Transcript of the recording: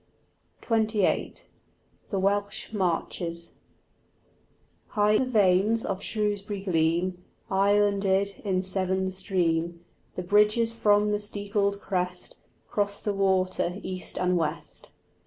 XXVIII THE WELSH MARCHES High the vanes of Shrewsbury gleam Islanded in Severn stream; The bridges from the steepled crest Cross the water east and west.